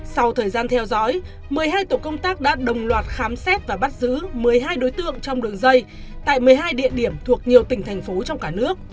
sau thời gian theo dõi một mươi hai tổ công tác đã đồng loạt khám xét và bắt giữ một mươi hai đối tượng trong đường dây tại một mươi hai địa điểm thuộc nhiều tỉnh thành phố trong cả nước